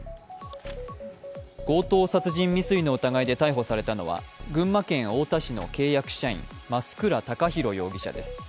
強盗殺人未遂の疑いで逮捕されたのは群馬県太田市の契約社員増倉孝弘容疑者です。